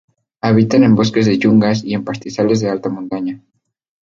Habitan en bosques de yungas y en pastizales de alta montaña.